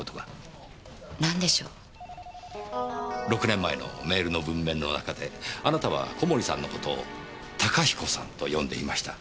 ６年前のメールの文面の中であなたは小森さんの事を高彦さんと呼んでいました。